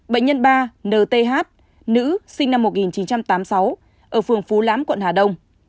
bệnh nhân ba n t h nữ sinh năm một nghìn chín trăm tám mươi sáu ở phường phú lám quận hà đông